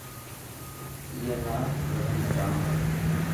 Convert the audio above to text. اي نا وزن گهٽاڻو هي.